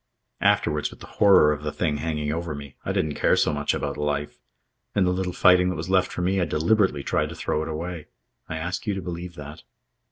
Afterwards, with the horror of the thing hanging over me, I didn't care so much about life. In the little fighting that was left for me I deliberately tried to throw it away. I ask you to believe that."